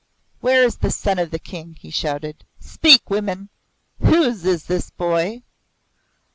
"Where is the son of the King?" he shouted. "Speak, women! Whose is this boy?"